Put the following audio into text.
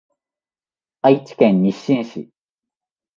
愛知県日進市